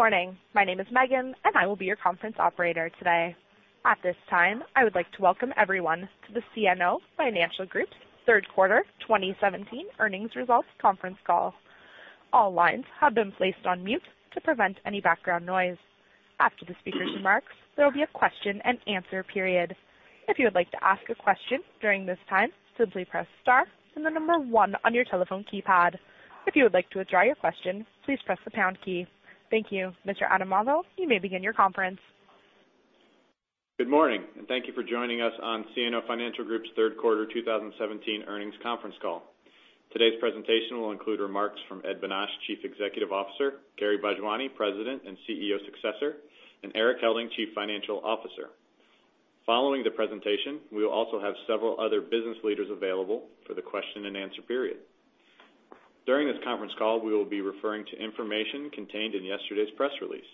Good morning. My name is Megan, and I will be your conference operator today. At this time, I would like to welcome everyone to the CNO Financial Group's third quarter 2017 earnings results conference call. All lines have been placed on mute to prevent any background noise. After the speaker's remarks, there will be a question and answer period. If you would like to ask a question during this time, simply press star and the number 1 on your telephone keypad. If you would like to withdraw your question, please press the pound key. Thank you. Mr. Auvil, you may begin your conference. Good morning. Thank you for joining us on CNO Financial Group's third quarter 2017 earnings conference call. Today's presentation will include remarks from Ed Bonach, Chief Executive Officer, Gary Bhojwani, President and CEO successor, and Erik Helding, Chief Financial Officer. Following the presentation, we will also have several other business leaders available for the question and answer period. During this conference call, we will be referring to information contained in yesterday's press release.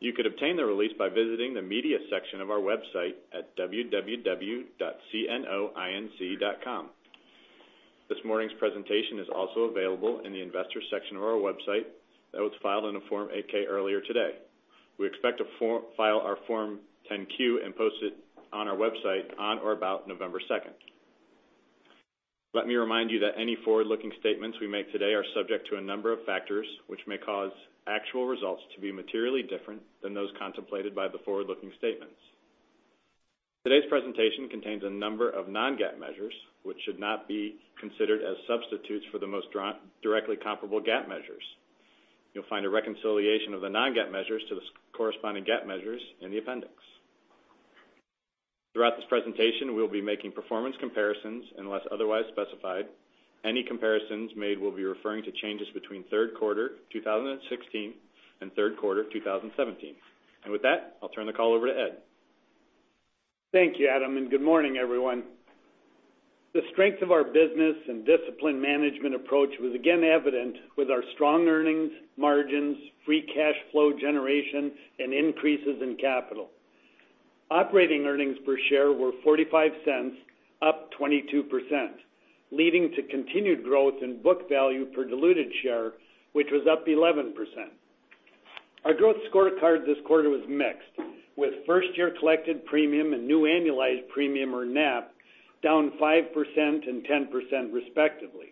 You could obtain the release by visiting the media section of our website at www.cnoinc.com. This morning's presentation is also available in the investor section of our website that was filed in a Form 8-K earlier today. We expect to file our Form 10-Q and post it on our website on or about November 2nd. Let me remind you that any forward-looking statements we make today are subject to a number of factors which may cause actual results to be materially different than those contemplated by the forward-looking statements. Today's presentation contains a number of non-GAAP measures, which should not be considered as substitutes for the most directly comparable GAAP measures. You'll find a reconciliation of the non-GAAP measures to the corresponding GAAP measures in the appendix. Throughout this presentation, we'll be making performance comparisons unless otherwise specified. Any comparisons made will be referring to changes between third quarter 2016 and third quarter 2017. With that, I'll turn the call over to Ed. Thank you, Adam. Good morning, everyone. The strength of our business and discipline management approach was again evident with our strong earnings, margins, free cash flow generation, and increases in capital. Operating earnings per share were $0.45, up 22%, leading to continued growth in book value per diluted share, which was up 11%. Our growth scorecard this quarter was mixed, with first-year collected premium and new annualized premium, or NAP, down 5% and 10% respectively.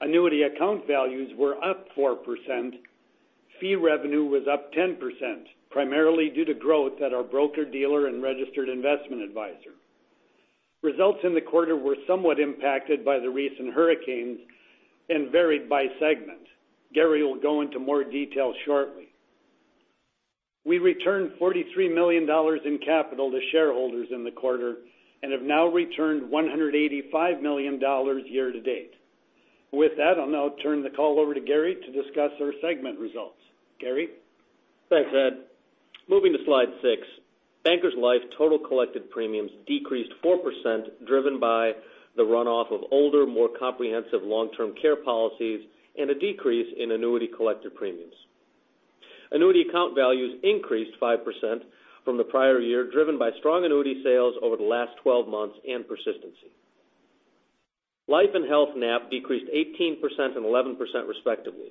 Annuity account values were up 4%. Fee revenue was up 10%, primarily due to growth at our broker-dealer and registered investment advisor. Results in the quarter were somewhat impacted by the recent hurricanes and varied by segment. Gary will go into more detail shortly. We returned $43 million in capital to shareholders in the quarter and have now returned $185 million year to date. With that, I'll now turn the call over to Gary to discuss our segment results. Gary? Thanks, Ed. Moving to slide six, Bankers Life total collected premiums decreased 4%, driven by the runoff of older, more comprehensive long-term care policies and a decrease in annuity collected premiums. Annuity account values increased 5% from the prior year, driven by strong annuity sales over the last 12 months and persistency. Life and health NAP decreased 18% and 11% respectively.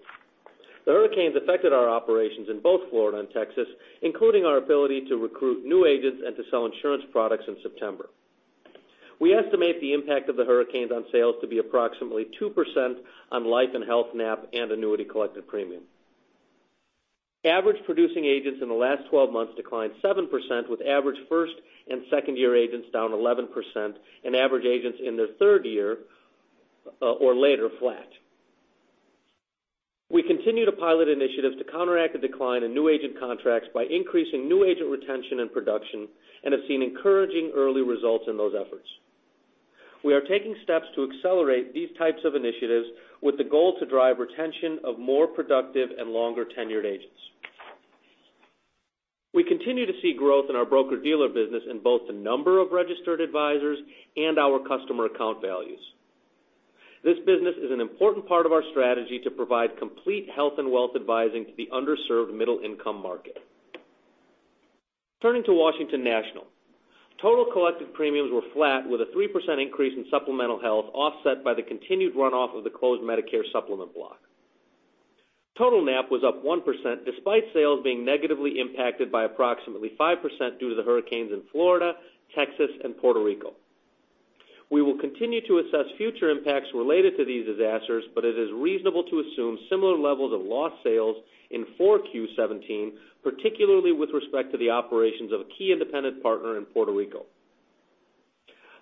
The hurricanes affected our operations in both Florida and Texas, including our ability to recruit new agents and to sell insurance products in September. We estimate the impact of the hurricanes on sales to be approximately 2% on life and health NAP and annuity collected premium. Average producing agents in the last 12 months declined 7%, with average first and second-year agents down 11%, and average agents in their third year or later, flat. We continue to pilot initiatives to counteract the decline in new agent contracts by increasing new agent retention and production and have seen encouraging early results in those efforts. We are taking steps to accelerate these types of initiatives with the goal to drive retention of more productive and longer-tenured agents. We continue to see growth in our broker-dealer business in both the number of registered advisors and our customer account values. This business is an important part of our strategy to provide complete health and wealth advising to the underserved middle-income market. Turning to Washington National. Total collected premiums were flat with a 3% increase in supplemental health offset by the continued runoff of the closed Medicare Supplement block. Total NAP was up 1%, despite sales being negatively impacted by approximately 5% due to the hurricanes in Florida, Texas, and Puerto Rico. We will continue to assess future impacts related to these disasters, but it is reasonable to assume similar levels of lost sales in 4Q 2017, particularly with respect to the operations of a key independent partner in Puerto Rico.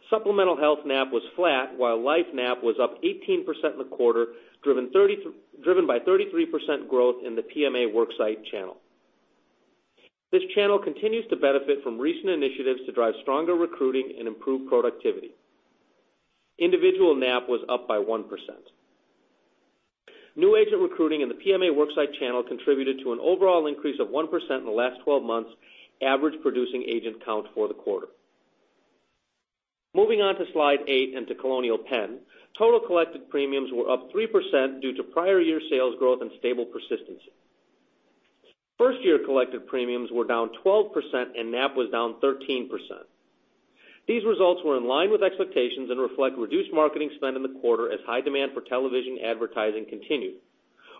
Supplemental health NAP was flat, while life NAP was up 18% in the quarter, driven by 33% growth in the PMA worksite channel. This channel continues to benefit from recent initiatives to drive stronger recruiting and improve productivity. Individual NAP was up by 1%. New agent recruiting in the PMA worksite channel contributed to an overall increase of 1% in the last 12 months' average producing agent count for the quarter. Moving on to slide eight and to Colonial Penn. Total collected premiums were up 3% due to prior year sales growth and stable persistency. First-year collected premiums were down 12% and NAP was down 13%. These results were in line with expectations and reflect reduced marketing spend in the quarter as high demand for television advertising continued,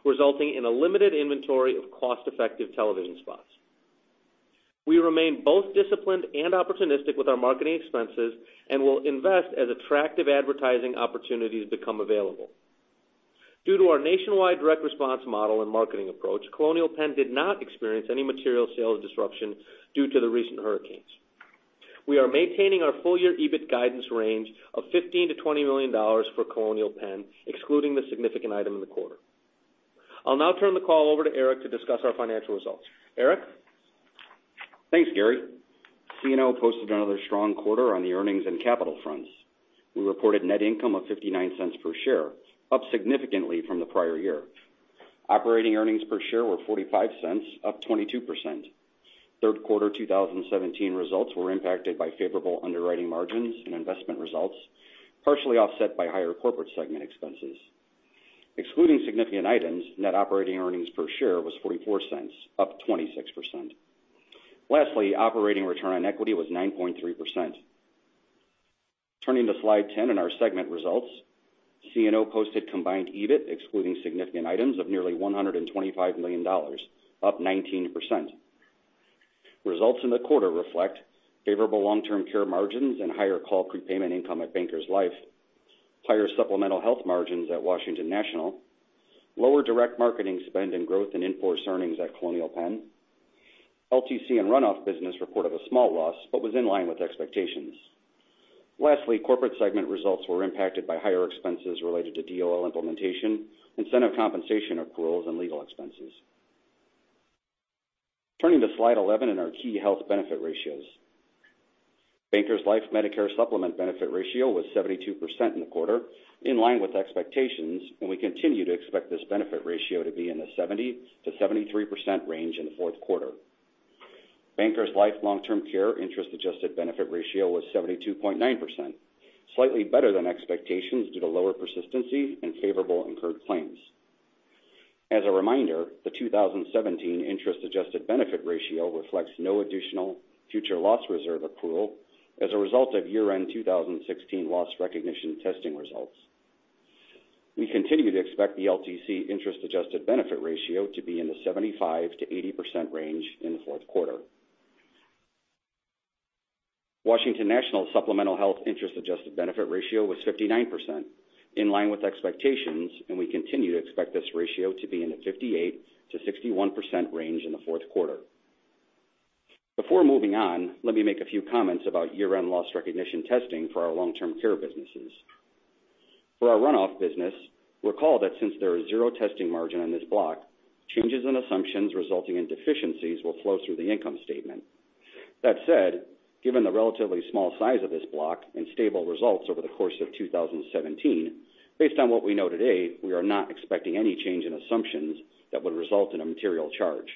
resulting in a limited inventory of cost-effective television spots. We remain both disciplined and opportunistic with our marketing expenses and will invest as attractive advertising opportunities become available. Due to our nationwide direct response model and marketing approach, Colonial Penn did not experience any material sales disruption due to the recent hurricanes. We are maintaining our full-year EBIT guidance range of $15 million-$20 million for Colonial Penn, excluding the significant item in the quarter. I'll now turn the call over to Erik to discuss our financial results. Erik? Thanks, Gary. CNO posted another strong quarter on the earnings and capital fronts. We reported net income of $0.59 per share, up significantly from the prior year. Operating earnings per share were $0.45, up 22%. Third quarter 2017 results were impacted by favorable underwriting margins and investment results, partially offset by higher corporate segment expenses. Excluding significant items, net operating earnings per share was $0.44, up 26%. Lastly, operating return on equity was 9.3%. Turning to slide 10 in our segment results. CNO posted combined EBIT, excluding significant items, of nearly $125 million, up 19%. Results in the quarter reflect favorable long-term care margins and higher call prepayment income at Bankers Life, higher supplemental health margins at Washington National, lower direct marketing spend and growth in in-force earnings at Colonial Penn. LTC and Run-off business reported a small loss but was in line with expectations. Lastly, corporate segment results were impacted by higher expenses related to DOL implementation, incentive compensation accruals, and legal expenses. Turning to slide 11 in our key health benefit ratios. Bankers Life Medicare Supplement benefit ratio was 72% in the quarter, in line with expectations, and we continue to expect this benefit ratio to be in the 70%-73% range in the fourth quarter. Bankers Life long-term care interest-adjusted benefit ratio was 72.9%, slightly better than expectations due to lower persistency and favorable incurred claims. As a reminder, the 2017 interest-adjusted benefit ratio reflects no additional future loss reserve accrual as a result of year-end 2016 loss recognition testing results. We continue to expect the LTC interest-adjusted benefit ratio to be in the 75%-80% range in the fourth quarter. Washington National supplemental health interest-adjusted benefit ratio was 59%, in line with expectations, and we continue to expect this ratio to be in the 58%-61% range in the fourth quarter. Before moving on, let me make a few comments about year-end loss recognition testing for our long-term care businesses. For our Run-off business, recall that since there is zero testing margin on this block, changes in assumptions resulting in deficiencies will flow through the income statement. That said, given the relatively small size of this block and stable results over the course of 2017, based on what we know today, we are not expecting any change in assumptions that would result in a material charge.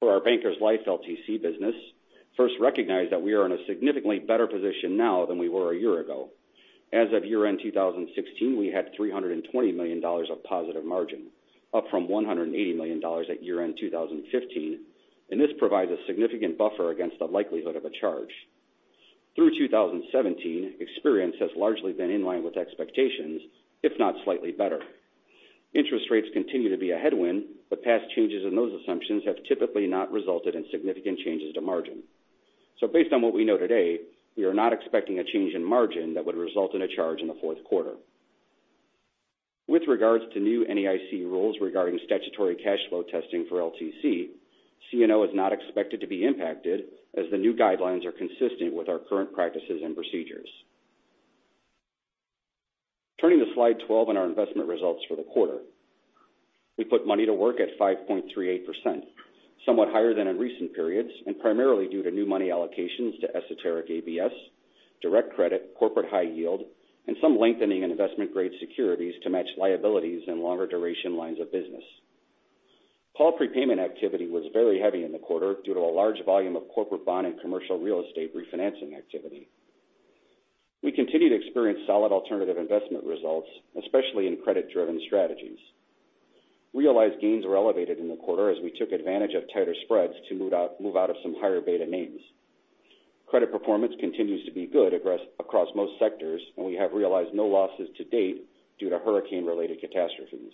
For our Bankers Life LTC business, first recognize that we are in a significantly better position now than we were a year ago. As of year-end 2016, we had $320 million of positive margin, up from $180 million at year-end 2015. This provides a significant buffer against the likelihood of a charge. Through 2017, experience has largely been in line with expectations, if not slightly better. Interest rates continue to be a headwind, past changes in those assumptions have typically not resulted in significant changes to margin. We are not expecting a change in margin that would result in a charge in the fourth quarter. With regards to new NAIC rules regarding statutory cash flow testing for LTC, CNO is not expected to be impacted as the new guidelines are consistent with our current practices and procedures. Turning to slide 12 in our investment results for the quarter. We put money to work at 5.38%, somewhat higher than in recent periods, primarily due to new money allocations to esoteric ABS, direct credit, corporate high yield, and some lengthening in investment-grade securities to match liabilities in longer duration lines of business. Call prepayment activity was very heavy in the quarter due to a large volume of corporate bond and commercial real estate refinancing activity. We continue to experience solid alternative investment results, especially in credit-driven strategies. Realized gains were elevated in the quarter as we took advantage of tighter spreads to move out of some higher beta names. Credit performance continues to be good across most sectors, we have realized no losses to date due to hurricane-related catastrophes.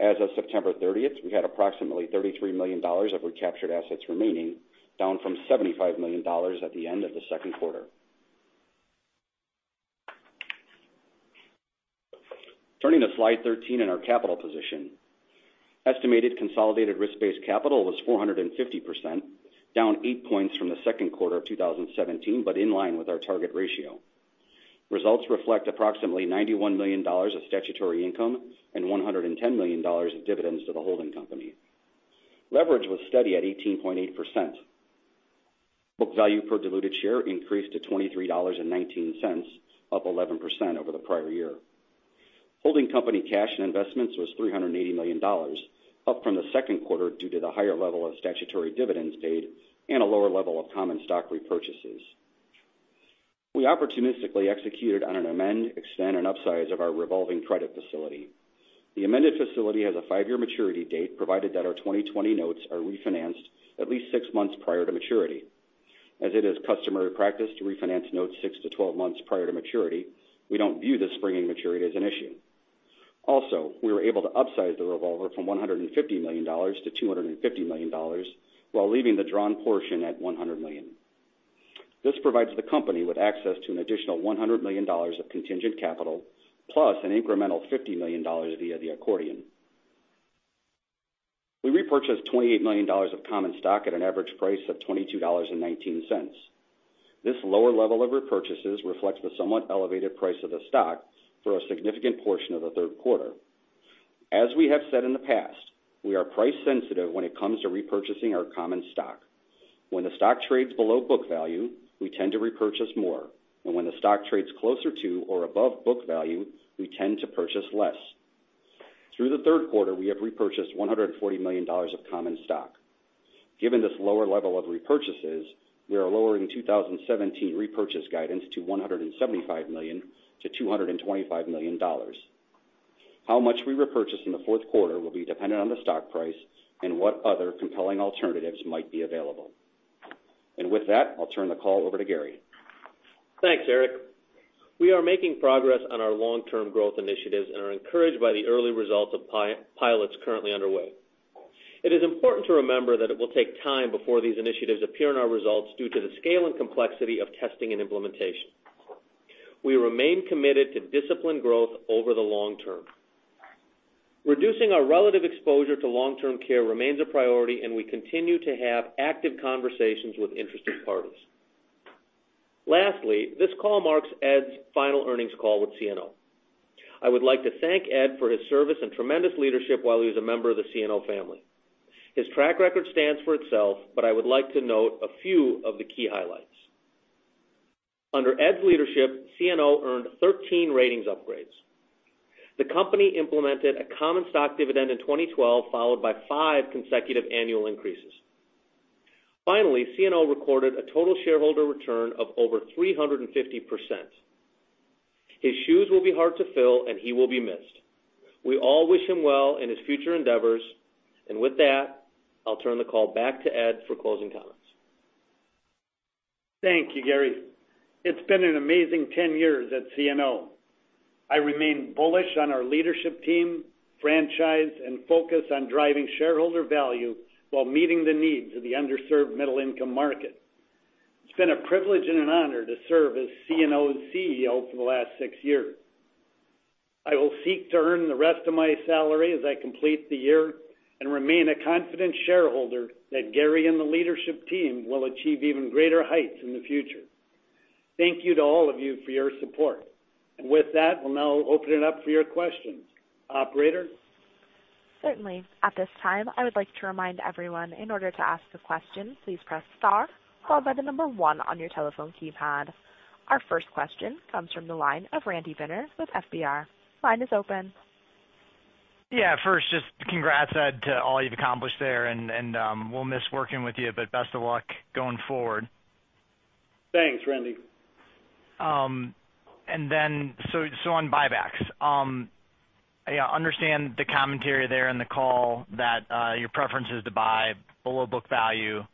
As of September 30th, we had approximately $33 million of recaptured assets remaining, down from $75 million at the end of the second quarter. Turning to slide 13 in our capital position. Estimated consolidated risk-based capital was 450%, down eight points from the second quarter of 2017, in line with our target ratio. Results reflect approximately $91 million of statutory income and $110 million of dividends to the holding company. Leverage was steady at 18.8%. Book value per diluted share increased to $23.19, up 11% over the prior year. Holding company cash and investments was $380 million, up from the second quarter due to the higher level of statutory dividends paid and a lower level of common stock repurchases. We opportunistically executed on an amend, extend, and upsize of our revolving credit facility. The amended facility has a five-year maturity date, provided that our 2020 notes are refinanced at least six months prior to maturity. As it is customary practice to refinance notes six to 12 months prior to maturity, we don't view the springing maturity as an issue. We were able to upsize the revolver from $150 million to $250 million while leaving the drawn portion at $100 million. This provides the company with access to an additional $100 million of contingent capital, plus an incremental $50 million via the accordion. We repurchased $28 million of common stock at an average price of $22.19. This lower level of repurchases reflects the somewhat elevated price of the stock for a significant portion of the third quarter. As we have said in the past, we are price sensitive when it comes to repurchasing our common stock. When the stock trades below book value, we tend to repurchase more, when the stock trades closer to or above book value, we tend to purchase less. Through the third quarter, we have repurchased $140 million of common stock. Given this lower level of repurchases, we are lowering 2017 repurchase guidance to $175 million-$225 million. How much we repurchase in the fourth quarter will be dependent on the stock price and what other compelling alternatives might be available. With that, I'll turn the call over to Gary. Thanks, Erik. We are making progress on our long-term growth initiatives and are encouraged by the early results of pilots currently underway. It is important to remember that it will take time before these initiatives appear in our results due to the scale and complexity of testing and implementation. We remain committed to disciplined growth over the long term. Reducing our relative exposure to long-term care remains a priority, and we continue to have active conversations with interested parties. Lastly, this call marks Ed's final earnings call with CNO. I would like to thank Ed for his service and tremendous leadership while he was a member of the CNO family. His track record stands for itself, but I would like to note a few of the key highlights. Under Ed's leadership, CNO earned 13 ratings upgrades. The company implemented a common stock dividend in 2012, followed by five consecutive annual increases. Finally, CNO recorded a total shareholder return of over 350%. His shoes will be hard to fill, and he will be missed. We all wish him well in his future endeavors. With that, I'll turn the call back to Ed for closing comments. Thank you, Gary. It's been an amazing 10 years at CNO. I remain bullish on our leadership team, franchise, and focus on driving shareholder value while meeting the needs of the underserved middle-income market. It's been a privilege and an honor to serve as CNO's CEO for the last six years. I will seek to earn the rest of my salary as I complete the year and remain a confident shareholder that Gary and the leadership team will achieve even greater heights in the future. Thank you to all of you for your support. With that, we'll now open it up for your questions. Operator? Certainly. At this time, I would like to remind everyone, in order to ask a question, please press star followed by the number one on your telephone keypad. Our first question comes from the line of Randy Binner with FBR. Line is open. Yeah. First, just congrats, Ed, to all you've accomplished there, and we'll miss working with you, but best of luck going forward. Thanks, Randy. On buybacks. I understand the commentary there in the call that your preference is to buy below book value,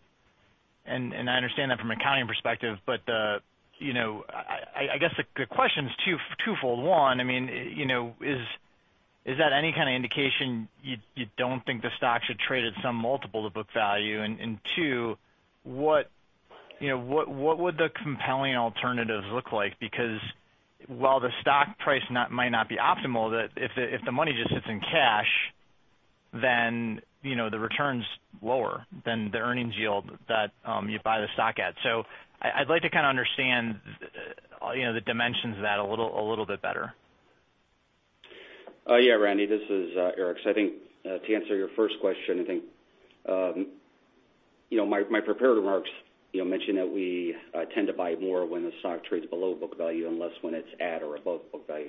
and I understand that from an accounting perspective. I guess the question is twofold. One, is that any kind of indication you don't think the stock should trade at some multiple of book value? Two, what would the compelling alternatives look like? While the stock price might not be optimal, if the money just sits in cash, then the return's lower than the earnings yield that you buy the stock at. I'd like to kind of understand the dimensions of that a little bit better. Yeah, Randy, this is Erik Helding. I think to answer your first question, I think my prepared remarks mentioned that we tend to buy more when the stock trades below book value and less when it's at or above book value.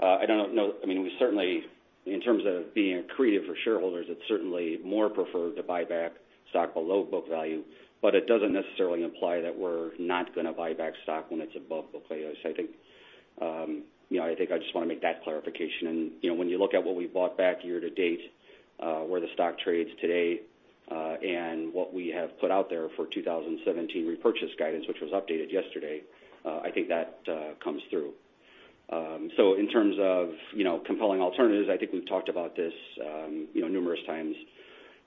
I don't know. We certainly, in terms of being accretive for shareholders, it's certainly more preferred to buy back stock below book value, but it doesn't necessarily imply that we're not going to buy back stock when it's above book value. I think I just want to make that clarification. When you look at what we bought back year to date, where the stock trades today, and what we have put out there for 2017 repurchase guidance, which was updated yesterday, I think that comes through. In terms of compelling alternatives, I think we've talked about this numerous times.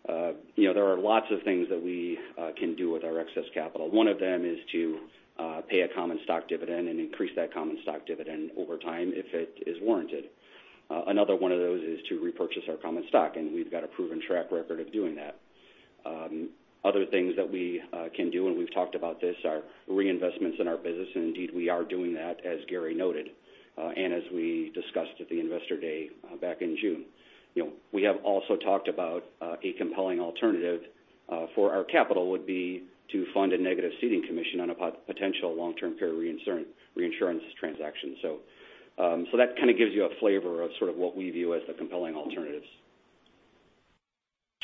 There are lots of things that we can do with our excess capital. One of them is to pay a common stock dividend and increase that common stock dividend over time if it is warranted. Another one of those is to repurchase our common stock, and we've got a proven track record of doing that. Other things that we can do, and we've talked about this, are reinvestments in our business, and indeed, we are doing that, as Gary Bhojwani noted, and as we discussed at the Investor Day back in June. We have also talked about a compelling alternative for our capital would be to fund a negative ceding commission on a potential long-term care reinsurance transaction. That kind of gives you a flavor of sort of what we view as the compelling alternatives.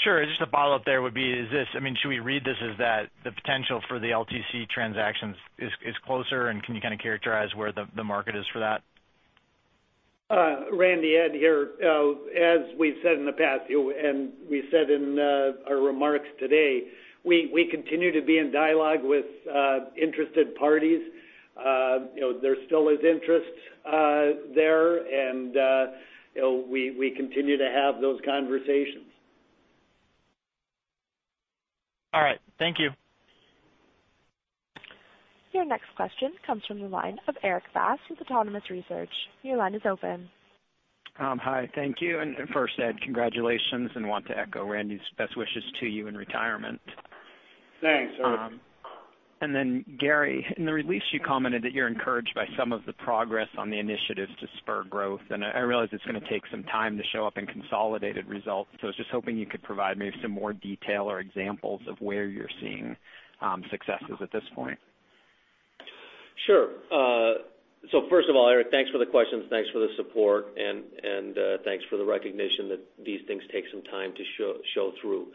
Sure. Just a follow-up there would be, should we read this as that the potential for the LTC transactions is closer, and can you kind of characterize where the market is for that? Randy, Ed here. As we've said in the past, and we said in our remarks today, we continue to be in dialogue with interested parties. There still is interest there, and we continue to have those conversations. All right. Thank you. Your next question comes from the line of Erik Bass with Autonomous Research. Your line is open. Hi. Thank you. First, Ed, congratulations, and want to echo Randy's best wishes to you in retirement. Thanks, Erik. Gary, in the release, you commented that you're encouraged by some of the progress on the initiatives to spur growth, and I realize it's going to take some time to show up in consolidated results. I was just hoping you could provide some more detail or examples of where you're seeing successes at this point. Sure. First of all, Erik, thanks for the questions, thanks for the support, and thanks for the recognition that these things take some time to show through.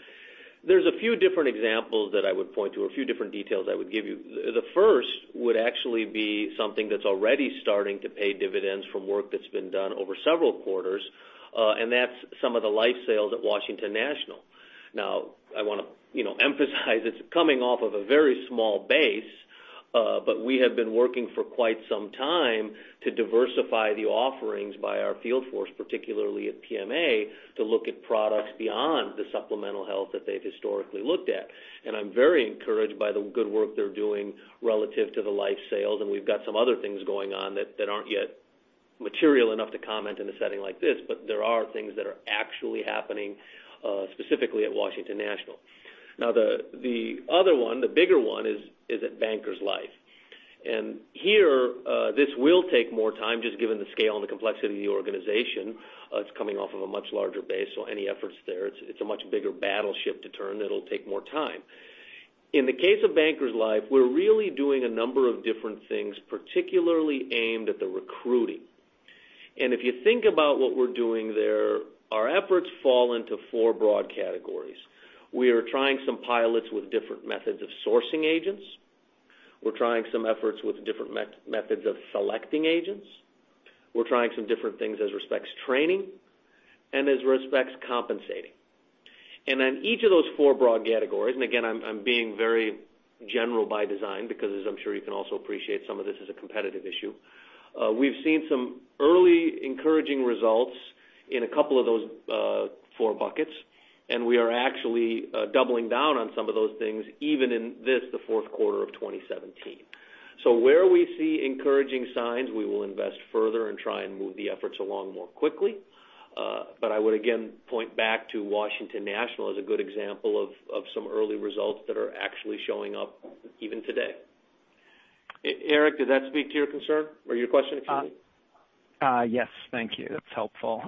There's a few different examples that I would point to, a few different details I would give you. The first would actually be something that's already starting to pay dividends from work that's been done over several quarters, and that's some of the life sales at Washington National. I want to emphasize it's coming off of a very small base, but we have been working for quite some time to diversify the offerings by our field force, particularly at PMA, to look at products beyond the supplemental health that they've historically looked at. I'm very encouraged by the good work they're doing relative to the life sales, and we've got some other things going on that aren't yet material enough to comment in a setting like this. There are things that are actually happening, specifically at Washington National. The other one, the bigger one, is at Bankers Life. Here, this will take more time just given the scale and the complexity of the organization. It's coming off of a much larger base. Any efforts there, it's a much bigger battleship to turn that'll take more time. In the case of Bankers Life, we're really doing a number of different things, particularly aimed at the recruiting. If you think about what we're doing there, our efforts fall into 4 broad categories. We are trying some pilots with different methods of sourcing agents. We're trying some efforts with different methods of selecting agents. We're trying some different things as respects training and as respects compensating. On each of those 4 broad categories, and again, I'm being very general by design because as I'm sure you can also appreciate some of this is a competitive issue. We've seen some early encouraging results in a couple of those four buckets, and we are actually doubling down on some of those things even in this, the fourth quarter of 2017. Where we see encouraging signs, we will invest further and try and move the efforts along more quickly. I would again point back to Washington National as a good example of some early results that are actually showing up even today. Erik, does that speak to your concern or your question? Yes. Thank you. That's helpful.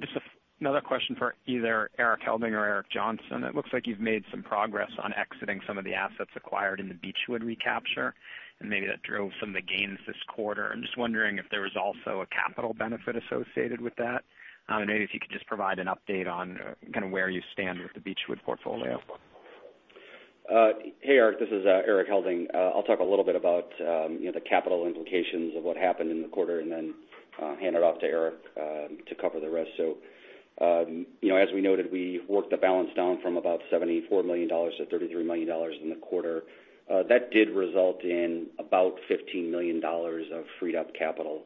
Just another question for either Erik Helding or Erik Johnson. It looks like you've made some progress on exiting some of the assets acquired in the Beechwood recapture, maybe that drove some of the gains this quarter. I'm just wondering if there was also a capital benefit associated with that. Maybe if you could just provide an update on kind of where you stand with the Beechwood portfolio. Hey, Erik, this is Erik Helding. I'll talk a little bit about the capital implications of what happened in the quarter and then hand it off to Erik to cover the rest. As we noted, we worked the balance down from about $74 million to $33 million in the quarter. That did result in about $15 million of freed-up capital.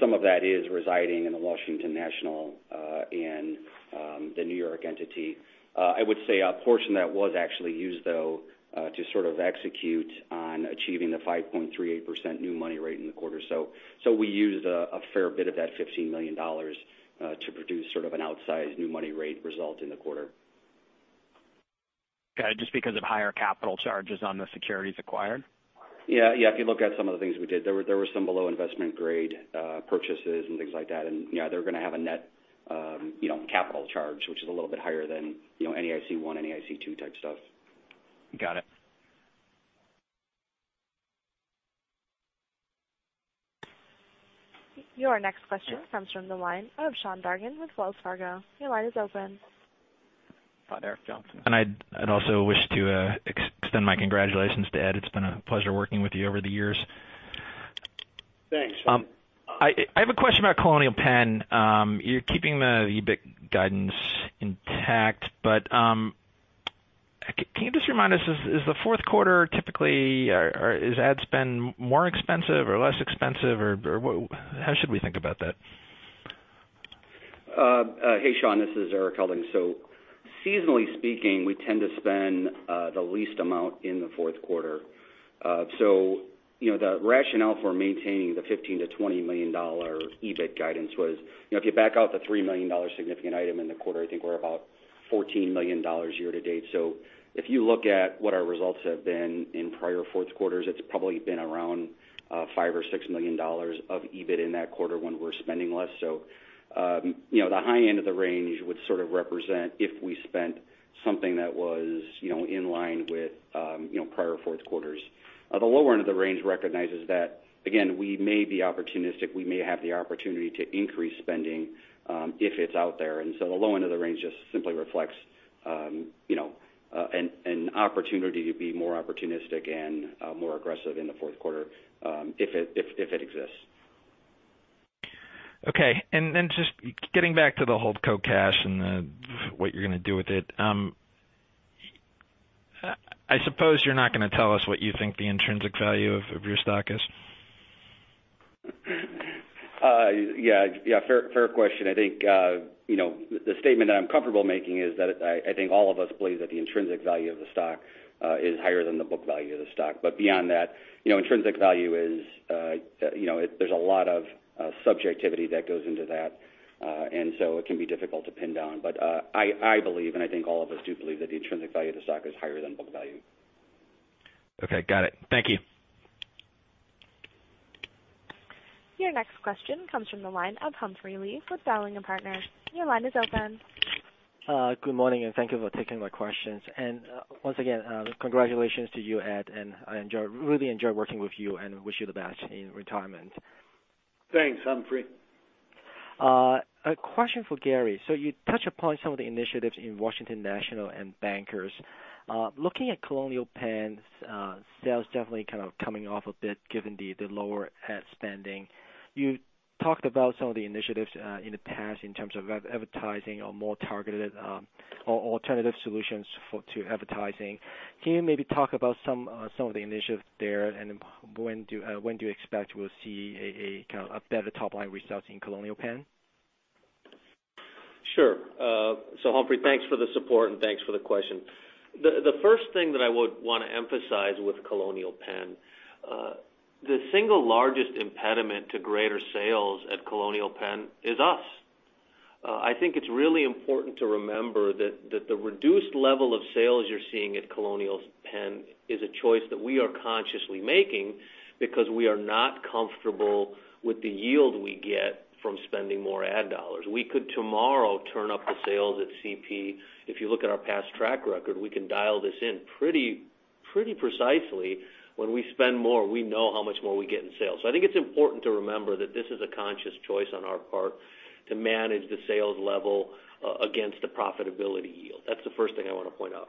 Some of that is residing in the Washington National and the New York entity. I would say a portion that was actually used, though, to sort of execute on achieving the 5.38% new money rate in the quarter. We used a fair bit of that $15 million to produce sort of an outsized new money rate result in the quarter. Got it. Just because of higher capital charges on the securities acquired? Yeah. If you look at some of the things we did, there were some below investment grade purchases and things like that, yeah, they're going to have a net capital charge, which is a little bit higher than any NAIC 1, any NAIC 2 type stuff. Got it. Your next question comes from the line of Sean Dargan with Wells Fargo. Your line is open. Hi, Eric Johnson. I'd also wish to extend my congratulations to Ed. It's been a pleasure working with you over the years. Thanks. I have a question about Colonial Penn. You're keeping the EBIT guidance intact, can you just remind us, is the fourth quarter typically or is ad spend more expensive or less expensive, or how should we think about that? Hey, Sean, this is Erik Helding. Seasonally speaking, we tend to spend the least amount in the fourth quarter. The rationale for maintaining the $15 million-$20 million EBIT guidance was if you back out the $3 million significant item in the quarter, I think we're about $14 million year to date. If you look at what our results have been in prior fourth quarters, it's probably been around $5 million or $6 million of EBIT in that quarter when we're spending less. The high end of the range would sort of represent if we spent Something that was in line with prior fourth quarters. The lower end of the range recognizes that, again, we may be opportunistic. We may have the opportunity to increase spending if it's out there. The low end of the range just simply reflects an opportunity to be more opportunistic and more aggressive in the fourth quarter if it exists. Okay. Just getting back to the holdco cash and what you're going to do with it. I suppose you're not going to tell us what you think the intrinsic value of your stock is? Yeah. Fair question. I think the statement that I'm comfortable making is that I think all of us believe that the intrinsic value of the stock is higher than the book value of the stock. Beyond that, intrinsic value, there's a lot of subjectivity that goes into that, and so it can be difficult to pin down. I believe, and I think all of us do believe, that the intrinsic value of the stock is higher than book value. Okay. Got it. Thank you. Your next question comes from the line of Humphrey Lee with Dowling & Partners. Your line is open. Good morning, and thank you for taking my questions. Once again, congratulations to you, Ed, and I really enjoy working with you and wish you the best in retirement. Thanks, Humphrey. A question for Gary. You touch upon some of the initiatives in Washington National and Bankers. Looking at Colonial Penn's sales definitely kind of coming off a bit given the lower ad spending. You talked about some of the initiatives in the past in terms of advertising or more targeted alternative solutions to advertising. Can you maybe talk about some of the initiatives there and when do you expect we'll see a kind of better top-line results in Colonial Penn? Sure. Humphrey, thanks for the support and thanks for the question. The first thing that I would want to emphasize with Colonial Penn, the single largest impediment to greater sales at Colonial Penn is us. I think it's really important to remember that the reduced level of sales you're seeing at Colonial Penn is a choice that we are consciously making because we are not comfortable with the yield we get from spending more ad dollars. We could tomorrow turn up the sales at CP. If you look at our past track record, we can dial this in pretty precisely. When we spend more, we know how much more we get in sales. I think it's important to remember that this is a conscious choice on our part to manage the sales level against the profitability yield. That's the first thing I want to point out.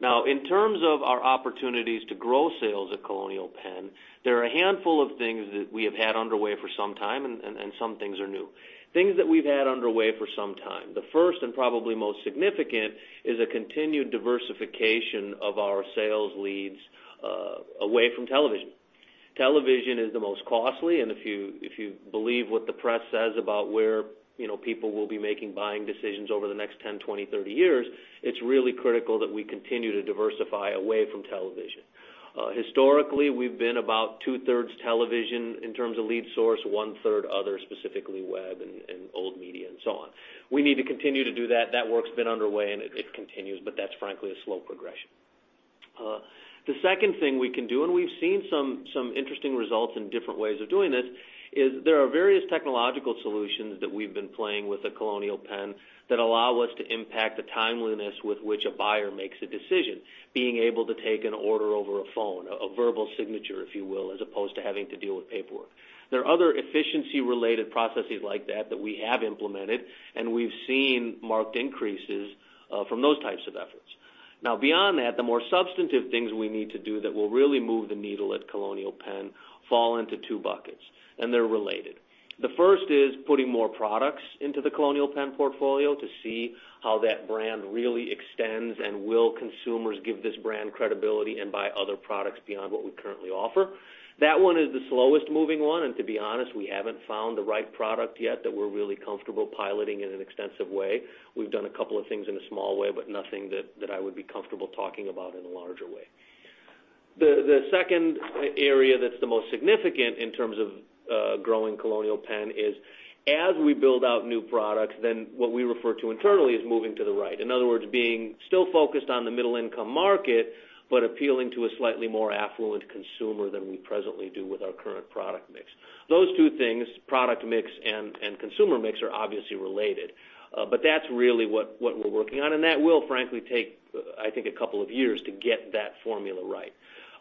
Now, in terms of our opportunities to grow sales at Colonial Penn, there are a handful of things that we have had underway for some time, and some things are new. Things that we've had underway for some time. The first and probably most significant is a continued diversification of our sales leads away from television. Television is the most costly, and if you believe what the press says about where people will be making buying decisions over the next 10, 20, 30 years, it's really critical that we continue to diversify away from television. Historically, we've been about two-thirds television in terms of lead source, one-third other, specifically web and old media and so on. We need to continue to do that. That work's been underway, and it continues, but that's frankly a slow progression. The second thing we can do, we've seen some interesting results and different ways of doing this, is there are various technological solutions that we've been playing with at Colonial Penn that allow us to impact the timeliness with which a buyer makes a decision. Being able to take an order over a phone, a verbal signature, if you will, as opposed to having to deal with paperwork. There are other efficiency-related processes like that that we have implemented, and we've seen marked increases from those types of efforts. Beyond that, the more substantive things we need to do that will really move the needle at Colonial Penn fall into two buckets, and they're related. The first is putting more products into the Colonial Penn portfolio to see how that brand really extends, will consumers give this brand credibility and buy other products beyond what we currently offer? That one is the slowest moving one, and to be honest, we haven't found the right product yet that we're really comfortable piloting in an extensive way. We've done a couple of things in a small way, but nothing that I would be comfortable talking about in a larger way. The second area that's the most significant in terms of growing Colonial Penn is as we build out new products, what we refer to internally as moving to the right. In other words, being still focused on the middle income market, but appealing to a slightly more affluent consumer than we presently do with our current product mix. Those two things, product mix and consumer mix, are obviously related. That's really what we're working on, that will frankly take, I think, a couple of years to get that formula right.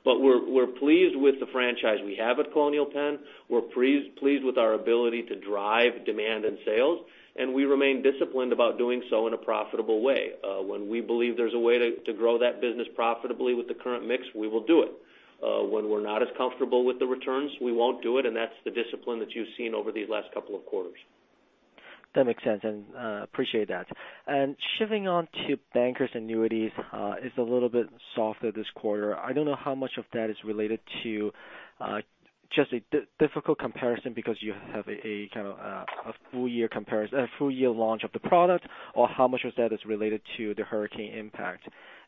We're pleased with the franchise we have at Colonial Penn. We're pleased with our ability to drive demand and sales, we remain disciplined about doing so in a profitable way. When we believe there's a way to grow that business profitably with the current mix, we will do it. When we're not as comfortable with the returns, we won't do it, and that's the discipline that you've seen over these last couple of quarters. That makes sense, appreciate that. Shifting on to Bankers Life is a little bit softer this quarter. I don't know how much of that is related to just a difficult comparison because you have a kind of a full-year launch of the product, or how much of that is related to the hurricane impact.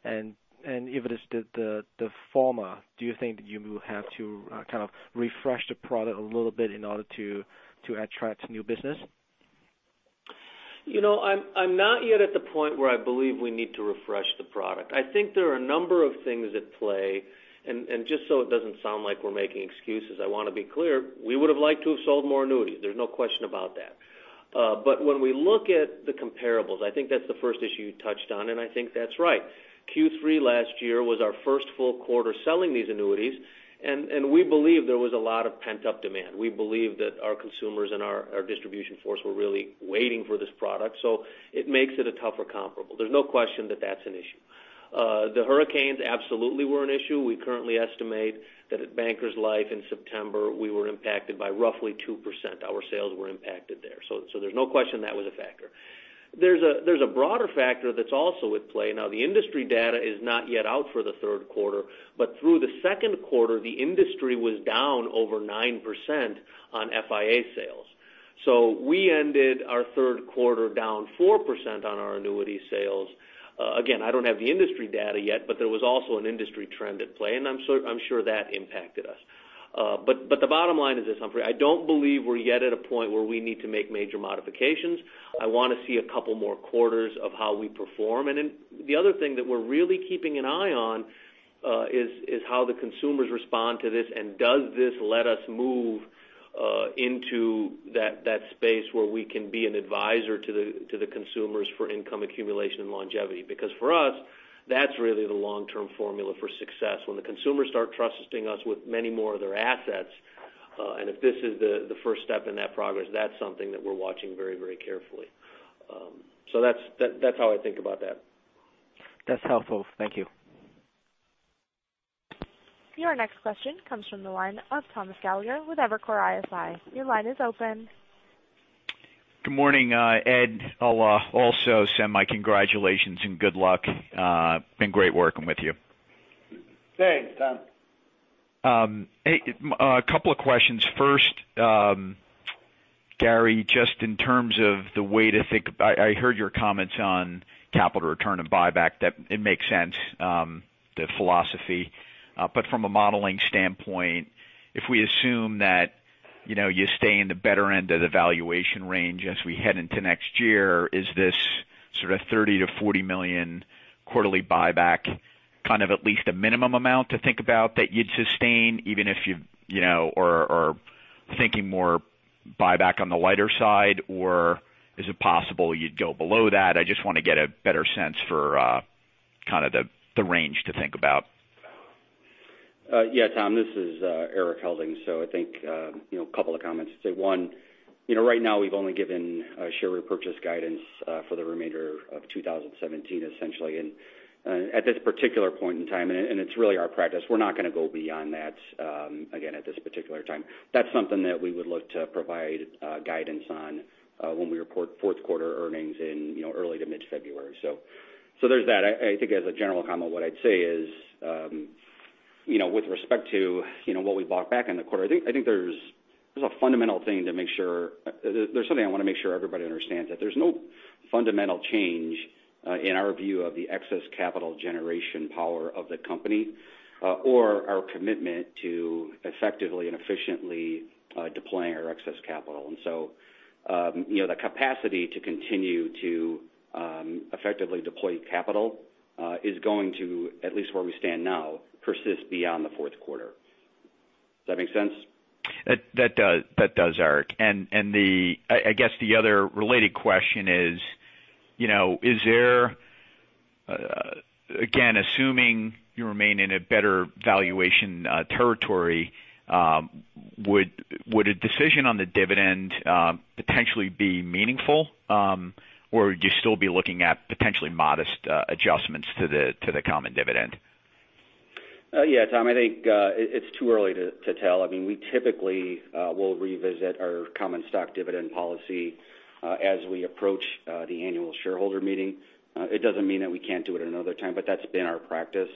If it is the former, do you think that you will have to kind of refresh the product a little bit in order to attract new business? I'm not yet at the point where I believe we need to refresh the product. I think there are a number of things at play. Just so it doesn't sound like we're making excuses, I want to be clear, we would have liked to have sold more annuities. There's no question about that. When we look at the comparables, I think that's the first issue you touched on. I think that's right. Q3 last year was our first full quarter selling these annuities. We believe there was a lot of pent-up demand. We believe that our consumers and our distribution force were really waiting for this product. It makes it a tougher comparable. There's no question that that's an issue. The hurricanes absolutely were an issue. We currently estimate that at Bankers Life in September, we were impacted by roughly 2%. Our sales were impacted there. There's no question that was a factor. There's a broader factor that's also at play. The industry data is not yet out for the third quarter, but through the second quarter, the industry was down over 9% on FIA sales. We ended our third quarter down 4% on our annuity sales. Again, I don't have the industry data yet, there was also an industry trend at play, and I'm sure that impacted us. The bottom line is this, Humphrey, I don't believe we're yet at a point where we need to make major modifications. I want to see a couple more quarters of how we perform. The other thing that we're really keeping an eye on is how the consumers respond to this, and does this let us move into that space where we can be an advisor to the consumers for income accumulation and longevity. Because for us, that's really the long-term formula for success. When the consumers start trusting us with many more of their assets, if this is the first step in that progress, that's something that we're watching very carefully. That's how I think about that. That's helpful. Thank you. Your next question comes from the line of Thomas Gallagher with Evercore ISI. Your line is open. Good morning, Ed. I'll also send my congratulations and good luck. Been great working with you. Thanks, Tom. A couple of questions. First, Gary, just in terms of the way to think, I heard your comments on capital return and buyback, that it makes sense, the philosophy. From a modeling standpoint, if we assume that you stay in the better end of the valuation range as we head into next year, is this sort of $30 million-$40 million quarterly buyback kind of at least a minimum amount to think about that you'd sustain, even if you were thinking more buyback on the lighter side, or is it possible you'd go below that? I just want to get a better sense for kind of the range to think about. Yeah, Tom, this is Erik Helding. I think, a couple of comments to say. One, right now we've only given a share repurchase guidance for the remainder of 2017, essentially. At this particular point in time, and it's really our practice, we're not going to go beyond that again at this particular time. That's something that we would look to provide guidance on when we report fourth quarter earnings in early to mid-February. There's that. I think as a general comment, what I'd say is with respect to what we bought back in the quarter, I think there's a fundamental thing to make sure everybody understands, that there's no fundamental change in our view of the excess capital generation power of the company or our commitment to effectively and efficiently deploying our excess capital. The capacity to continue to effectively deploy capital is going to, at least where we stand now, persist beyond the fourth quarter. Does that make sense? That does, Erik. I guess the other related question is there, again, assuming you remain in a better valuation territory, would a decision on the dividend potentially be meaningful? Would you still be looking at potentially modest adjustments to the common dividend? Tom, I think it's too early to tell. I mean, we typically will revisit our common stock dividend policy as we approach the annual shareholder meeting. It doesn't mean that we can't do it another time, but that's been our practice.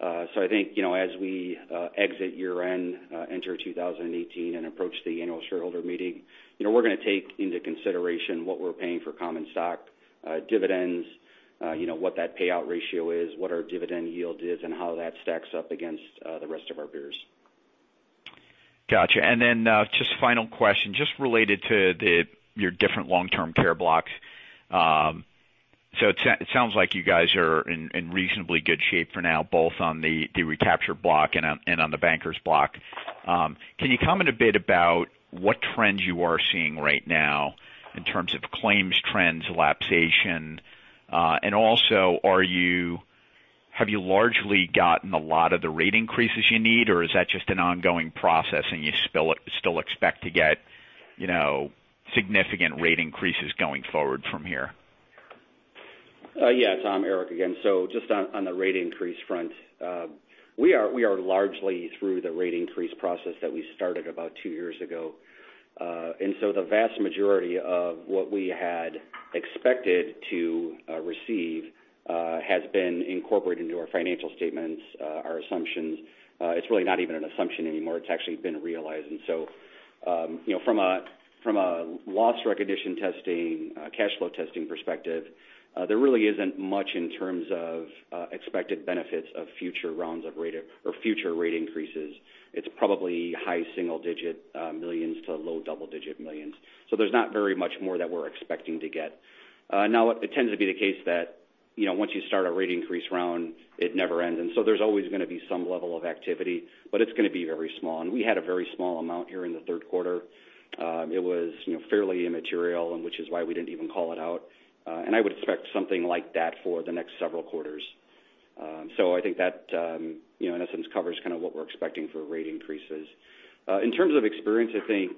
I think as we exit year-end, enter 2018, and approach the annual shareholder meeting, we're going to take into consideration what we're paying for common stock dividends, what that payout ratio is, what our dividend yield is, and how that stacks up against the rest of our peers. Got you. Just final question, just related to your different long-term care blocks. It sounds like you guys are in reasonably good shape for now, both on the recapture block and on the Bankers Life block. Can you comment a bit about what trends you are seeing right now in terms of claims trends, lapsation, and also have you largely gotten a lot of the rate increases you need, or is that just an ongoing process and you still expect to get significant rate increases going forward from here? Tom, Erik again. Just on the rate increase front, we are largely through the rate increase process that we started about two years ago. The vast majority of what we had expected to receive has been incorporated into our financial statements, our assumptions. It's really not even an assumption anymore. It's actually been realized. From a loss recognition testing, cash flow testing perspective, there really isn't much in terms of expected benefits of future rounds of rate or future rate increases. It's probably high single digit millions to low double-digit millions. There's not very much more that we're expecting to get. It tends to be the case that once you start a rate increase round, it never ends. There's always going to be some level of activity, but it's going to be very small. We had a very small amount here in the third quarter. It was fairly immaterial, which is why we didn't even call it out. I would expect something like that for the next several quarters. I think that, in essence, covers kind of what we're expecting for rate increases. In terms of experience, I think,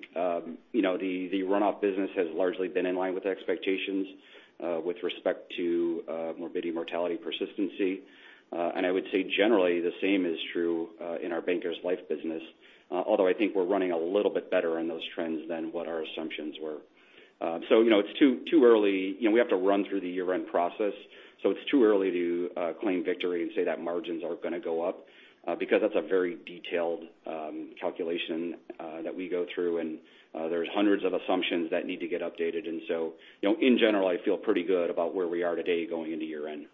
the runoff business has largely been in line with expectations with respect to morbidity, mortality, persistency. I would say generally, the same is true in our Bankers Life business, although I think we're running a little bit better on those trends than what our assumptions were. It's too early. We have to run through the year-end process. It's too early to claim victory and say that margins are going to go up because that's a very detailed calculation that we go through, and there's hundreds of assumptions that need to get updated. In general, I feel pretty good about where we are today going into year-end.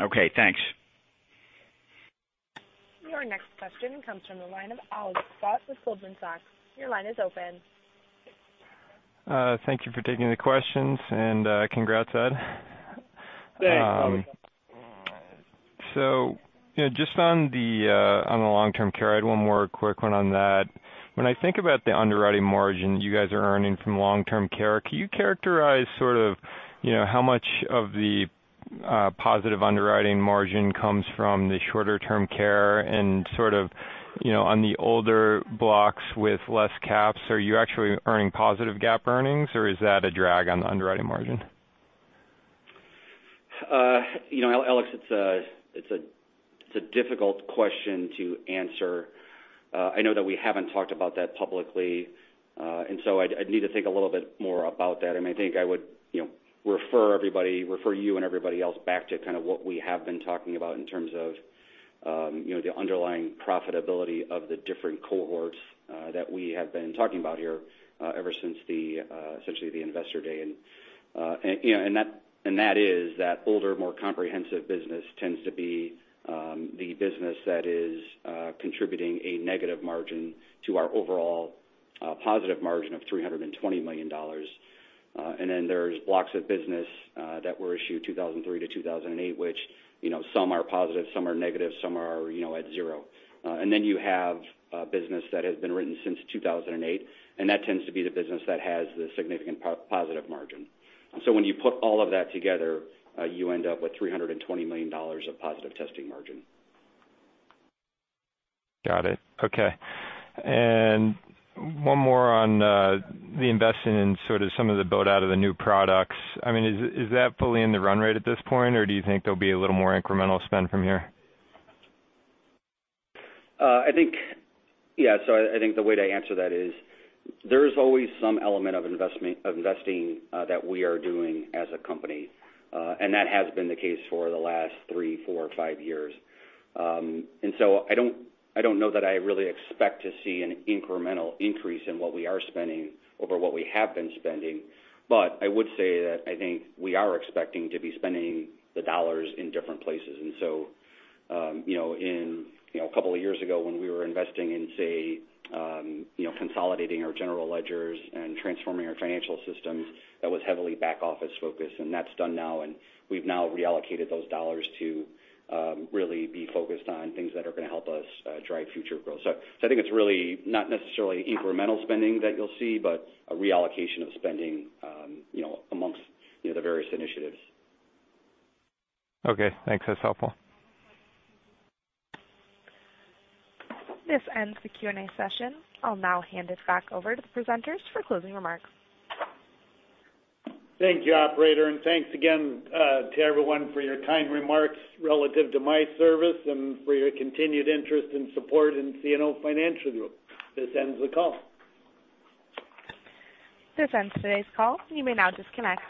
Okay, thanks. Your next question comes from the line of Alex Scott with Goldman Sachs. Your line is open. Thank you for taking the questions. Congrats, Ed. Thanks, Alex. Just on the long-term care, I had one more quick one on that. When I think about the underwriting margin you guys are earning from long-term care, can you characterize sort of how much of the positive underwriting margin comes from the shorter-term care and sort of on the older blocks with less caps, are you actually earning positive GAAP earnings or is that a drag on the underwriting margin? Alex, it's a difficult question to answer. I know that we haven't talked about that publicly. I'd need to think a little bit more about that. I think I would refer you and everybody else back to kind of what we have been talking about in terms of the underlying profitability of the different cohorts that we have been talking about here ever since essentially the investor day. That is that older, more comprehensive business tends to be the business that is contributing a negative margin to our overall positive margin of $320 million. There's blocks of business that were issued 2003 to 2008, which some are positive, some are negative, some are at zero. You have business that has been written since 2008, and that tends to be the business that has the significant positive margin. When you put all of that together, you end up with $320 million of positive testing margin. Got it. Okay. One more on the investing in sort of some of the build out of the new products. Is that fully in the run rate at this point, or do you think there'll be a little more incremental spend from here? I think the way to answer that is there's always some element of investing that we are doing as a company. That has been the case for the last three, four, five years. I don't know that I really expect to see an incremental increase in what we are spending over what we have been spending. I would say that I think we are expecting to be spending the dollars in different places. A couple of years ago when we were investing in, say, consolidating our general ledgers and transforming our financial systems, that was heavily back office focused, and that's done now, and we've now reallocated those dollars to really be focused on things that are going to help us drive future growth. I think it's really not necessarily incremental spending that you'll see, but a reallocation of spending amongst the various initiatives. Okay, thanks. That's helpful. This ends the Q&A session. I'll now hand it back over to the presenters for closing remarks. Thank you, operator, and thanks again to everyone for your kind remarks relative to my service and for your continued interest and support in CNO Financial Group. This ends the call. This ends today's call. You may now disconnect.